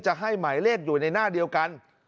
จะให้หมายเลขอยู่ในหน้าเดียวกัน